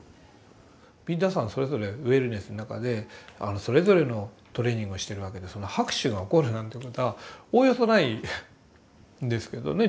皆さんそれぞれウェルネスの中でそれぞれのトレーニングをしてるわけで拍手が起こるなんてことはおおよそないですけどね。